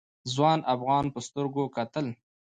ځوان افغان په سترګه کتل.